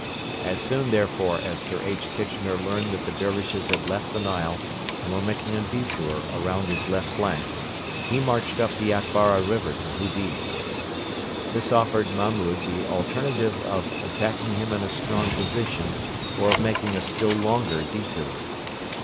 As soon, therefore, as Sir H. Kitchener learned that the Dervishes had left the Nile and were making a detour around his left flank, he marched up the Atbara river to Hudi. This offered Mahmud the alternative of attacking him in a strong position or of making a still longer detour.